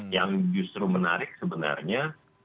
yang justru menarik sebenarnya